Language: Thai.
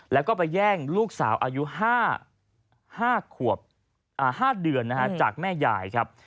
แล้วก็ไปแย่งลูกสาวอายุ๕ขวบ๕เดือนจากแม่ยายครับ